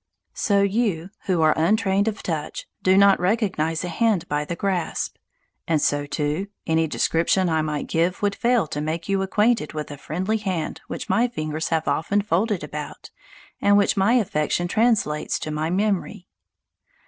So you, who are untrained of touch, do not recognize a hand by the grasp; and so, too, any description I might give would fail to make you acquainted with a friendly hand which my fingers have often folded about, and which my affection translates to my memory.